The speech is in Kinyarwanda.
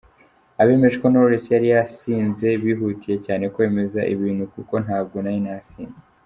Abemeje ko Knowless yari yasinze bihutiye cyane kwemeza ibintu kuko ntabwo nari nasinze”.